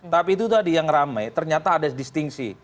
tapi itu tadi yang ramai ternyata ada distingsi